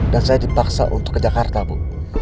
dan saya dipaksa untuk ke jakarta bu